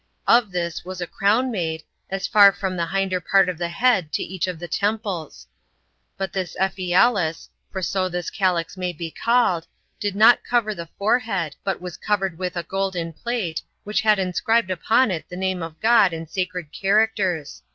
Of this was a crown made, as far from the hinder part of the head to each of the temples; but this Ephielis, for so this calyx may be called, did not cover the forehead, but it was covered with a golden plate, 14 which had inscribed upon it the name of God in sacred characters.